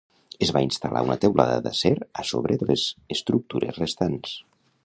Es va instal·lar una teulada d'acer a sobre de les estructures restants.